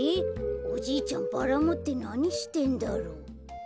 おじいちゃんバラもってなにしてんだろう。